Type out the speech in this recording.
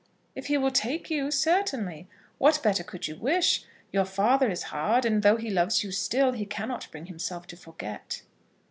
"If he will take you certainly. What better could you wish? Your father is hard, and though he loves you still, he cannot bring himself to forget."